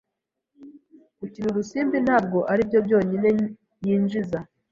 Gukina urusimbi ntabwo aribyo byonyine yinjiza.